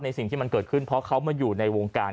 สิ่งที่มันเกิดขึ้นเพราะเขามาอยู่ในวงการ